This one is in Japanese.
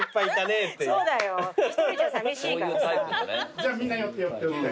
じゃみんな寄って寄って寄って。